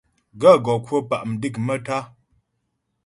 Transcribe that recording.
Gàə́ gɔ kwə̂ pá' mdék maə́tá'a.